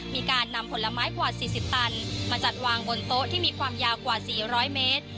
มีการนำผลไม้กว่า๔๐ตันมาจัดวางบนโต๊ะที่มีความยาวกว่า๔๐๐เมตร